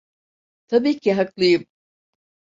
Tabii ki haklıyım.